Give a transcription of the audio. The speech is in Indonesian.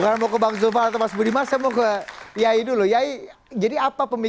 terutama cost sosial konflik yang sangat mengkhawatirkan untuk ketua umum pbnu